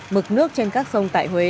mực nước trên các sông tại huế